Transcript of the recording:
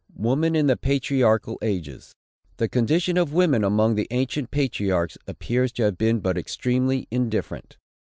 WOMAN IN THE PATRIARCHAL AGES. The condition of women among the ancient patriarchs, appears to have been but extremely indifferent.